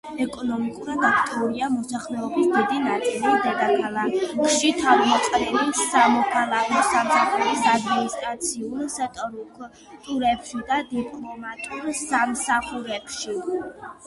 ეკონომიკურად აქტიური მოსახლეობის დიდი ნაწილი დედაქალაქში თავმოყრილია სამოქალაქო სამსახურის ადმინისტრაციულ სტრუქტურებში და დიპლომატიურ სამსახურებში.